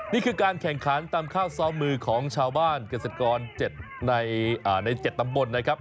นี่คือการแข่งขันตามข้าวซ้อมมือของชาวบ้านเกษตรกรใน๗ตำบลนะครับ